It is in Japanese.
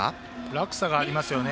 落差がありますよね。